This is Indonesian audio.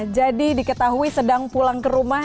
jadi diketahui sedang pulang ke rumah